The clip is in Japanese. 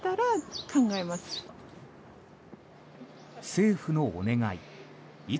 政府のお願い